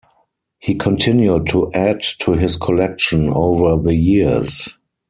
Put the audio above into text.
He continued to add to his collection over the years.